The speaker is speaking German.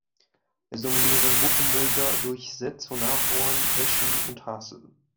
Es dominieren Buchenwälder, durchsetzt von Ahorn, Eschen, und Hasel.